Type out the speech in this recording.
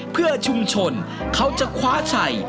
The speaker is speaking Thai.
เพื่อชุมชนเขาจะคว้าชัย